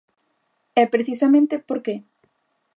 E, precisamente, ¿por que?